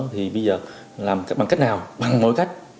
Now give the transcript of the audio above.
thì bây giờ làm bằng cách nào bằng mọi cách